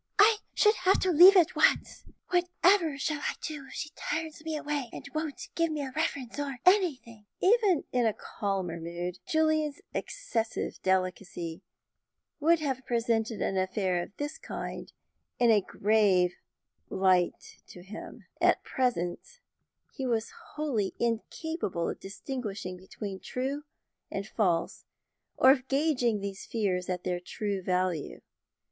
I should have to leave at once. Whatever shall I do if she turns me away, and won't give me a reference or anything!" Even in a calmer mood, Julian's excessive delicacy would have presented an affair of this kind in a grave light to him; at present he was wholly incapable of distinguishing between true and false, or of gauging these fears at their true value.